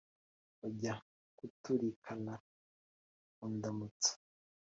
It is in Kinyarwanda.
bajya kuturikana ku ndamutsa